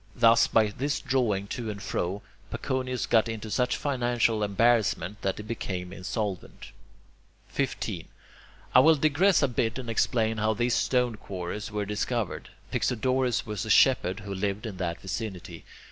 Thus, by this drawing to and fro, Paconius got into such financial embarrassment that he became insolvent. 15. I will digress a bit and explain how these stone quarries were discovered. Pixodorus was a shepherd who lived in that vicinity.